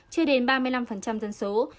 chưa đến ba mươi năm dân số